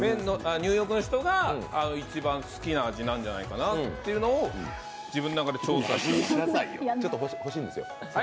ニューヨークの人が一番好きな味なんじゃないかなというのを自分の中で調査してちょっと欲しいんですよ。